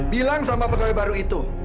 bilang sama pegawai baru itu